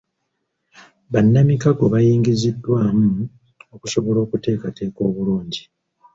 Bannamikago bayingiziddwamu okusobola okuteekateeka obulungi.